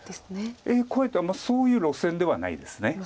怖いとそういう路線ではないです。